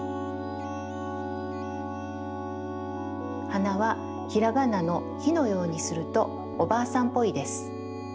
はなはひらがなの「ひ」のようにするとおばあさんっぽいです。